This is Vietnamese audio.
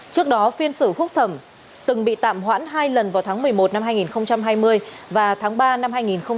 trước đó phiên xử phúc thẩm từng bị tạm hoãn hai lần vào tháng một mươi một năm hai nghìn hai mươi và tháng ba năm hai nghìn hai mươi một